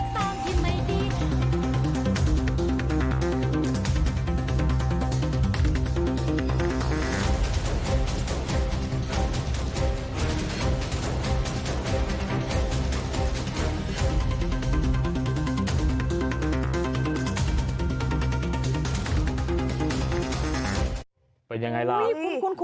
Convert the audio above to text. ถ้าคุณไม่ได้พยายามก่อน